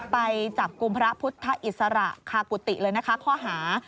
ไปจับกลุ่มพระพุทธอิสระคากุฏิเลยนะคะข้อหา